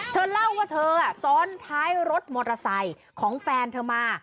เธอเล่าว่าเธอซ้อนท้ายรถมอเตอร์ไซค์ของแฟนเธอมา